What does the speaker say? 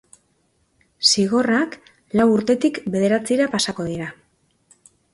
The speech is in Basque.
Zigorrak lau urtetik bederatzira pasako dira.